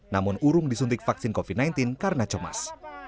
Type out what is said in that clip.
namun urung disuntik vaksin covid sembilan belas karena cemas